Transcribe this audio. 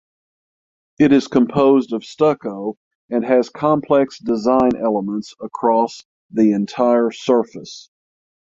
It is composed of stucco and has complex design elements across the entire surface.